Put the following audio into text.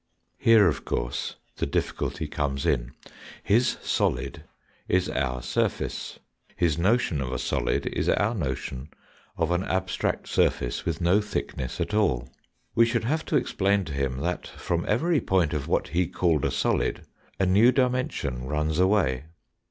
Here, of course, the difficulty comes in. His solid is our surface his notion of a solid is our notion of an abstract surface with no thickness at all. We should have to explain to him that, from every point of what he called a solid, a new dimension runs away.